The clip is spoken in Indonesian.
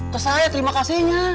terima kasih ya terima kasihnya